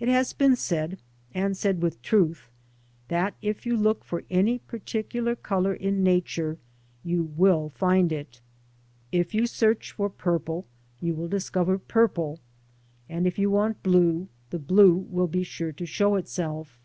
It has been said, and said with truth, that if you look for any j I particular colour in Nature, you will find it. If you search for COLOUR. 49 purple, you will discover purple; and if you want blue, Jhe blue will be sure to show itself.